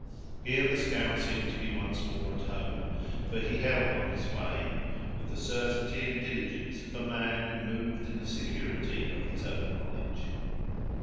Here the scout seemed to be once more at home, for he held on this way with the certainty and diligence of a man who moved in the security of his own knowledge.